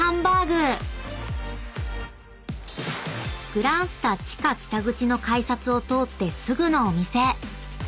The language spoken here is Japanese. ［グランスタ地下北口の改札を通ってすぐのお店］